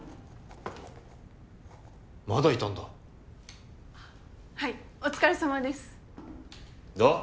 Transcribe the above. まだいたんだはいお疲れさまですどう？